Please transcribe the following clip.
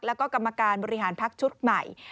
แล้วก็กรรมการบริหารพักชุดใหม่